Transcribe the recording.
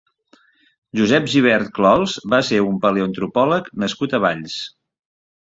Josep Gibert Clols va ser un paleoantropòleg nascut a Valls.